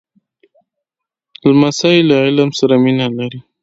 لمسی له علم سره مینه لري.